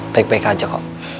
baik baik aja kok